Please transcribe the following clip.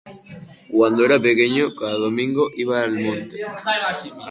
Txikitan, igandero joaten ginen mendira.